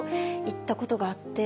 行ったことがあって。